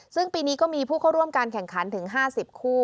ซึ่งปีนี้ก็มีผู้เข้าร่วมการแข่งขันถึง๕๐คู่